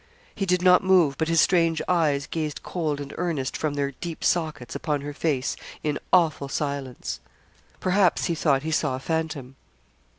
He did not move, but his strange eyes gazed cold and earnest from their deep sockets upon her face in awful silence. Perhaps he thought he saw a phantom.